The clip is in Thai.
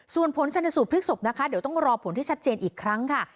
ส่วนผลชนสูตรพลิกศพนะคะเดี๋ยวต้องรอผลที่ชัดเจนอีกครั้งค่ะ